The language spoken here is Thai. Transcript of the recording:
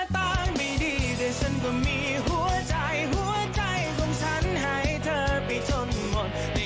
โปรดติดตามตอนต่อไป